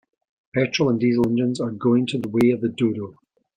Petrol and Diesel engines are going the way of the dodo.